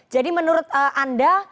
jadi menurut anda